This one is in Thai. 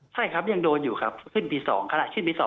ใช่ครับยังโดนอยู่ครับขึ้นปี๒ขนาดขึ้นปี๒